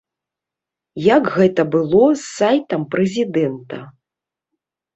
Як гэта было з сайтам прэзідэнта.